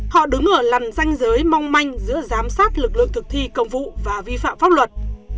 họ đứng ở lằn danh giới mong manh giữa giám sát lực lượng thực thi công vụ và vi phạm pháp luật